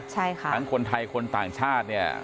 ใช่ค่ะทั้งคนไทยคนต่างชาติเนี่ย